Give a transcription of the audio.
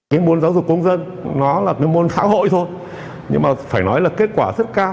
môn giáo dục công dân là môn phá hội thôi nhưng mà phải nói là kết quả rất cao